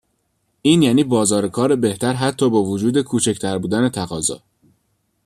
این یعنی بازار کار بهتر حتی با وجود کوچکتر بودن تقاضا.